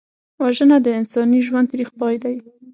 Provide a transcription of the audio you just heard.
وژنه د انساني ژوند تریخ پای دی